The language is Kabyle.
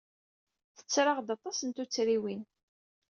Tetter-aɣ-d aṭas n tuttriwin.